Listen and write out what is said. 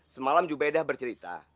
semalam jubaidah bercerita